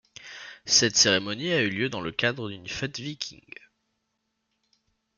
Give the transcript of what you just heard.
Cette cérémonie a eu lieu dans le cadre d'une fête viking.